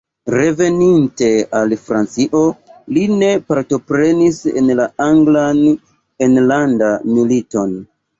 Reveninte al Francio li ne partoprenis en la Anglan enlandan militon.